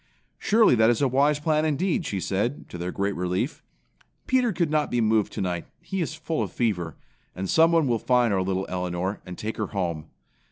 "Surely that is a wise plan indeed," she said, to their great relief. "Peter could not be moved tonight. He is full of fever. And someone will find our little Elinor, and take her home.